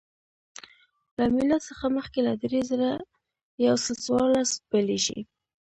له میلاد څخه مخکې له درې زره یو سل څوارلس پیلېږي